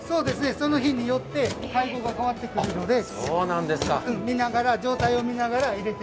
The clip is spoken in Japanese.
その日によって配合が変わってくるので、職人技ですね。